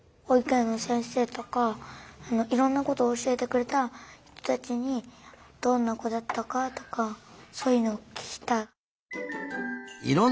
ほいく園の先生とかいろんなことをおしえてくれた人たちにどんなこだったかとかそういうのをききたい。